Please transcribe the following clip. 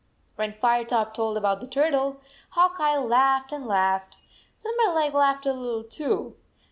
87 When Firetop told about the turtle, Hawk Eye laughed and laughed. Limber leg laughed a little, too.